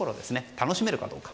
楽しめるかどうか。